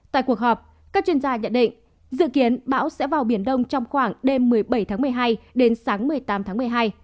tại cuộc họp các chuyên gia nhận định dự kiến bão sẽ vào biển đông trong khoảng đêm một mươi bảy tháng một mươi hai đến sáng một mươi tám tháng một mươi hai